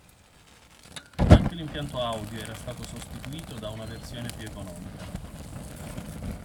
Anche l'impianto audio era stato sostituito da una versione più economica.